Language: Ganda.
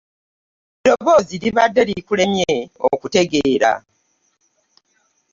Eddoboozi libadde likulemye okutegeera.